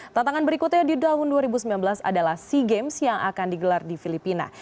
tantangan berikutnya di tahun dua ribu sembilan belas adalah sea games yang akan digelar di filipina